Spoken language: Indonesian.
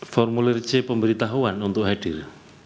formulir c pemberitahuan untuk hadir